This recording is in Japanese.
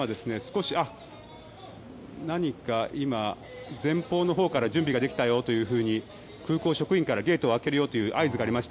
何か今、前方のほうから準備ができたよと空港職員からゲートを開けるよという合図がありました。